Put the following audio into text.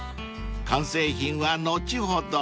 ［完成品は後ほど。